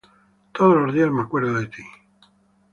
Todos los días me acuerdo de ti.